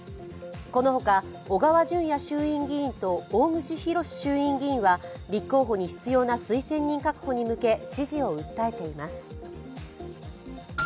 このほか、小川淳也衆院議員と大串博志衆院議員は立候補に必要な推薦人確保に向け支持を訴えています。